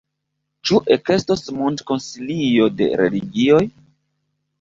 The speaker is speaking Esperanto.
Ĉu ekestos mondkonsilio de religioj?